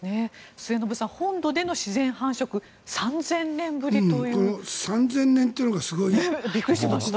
末延さん、本土での自然繁殖３０００年ぶりというびっくりしました。